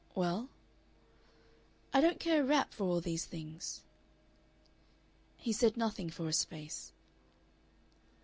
"Well?" "I don't care a rap for all these things." He said nothing for a space.